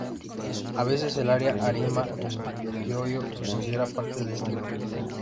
A veces, el área de Harima en Hyōgo se considera parte de este grupo.